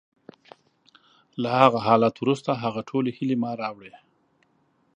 له هغه حالت وروسته، هغه ټولې هیلې ما راوړې